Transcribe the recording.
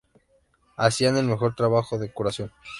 Hacían el mejor trabajo de curación.